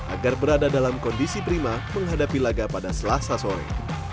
agar berada dalam kondisi prima menghadapi laga pada selasa sore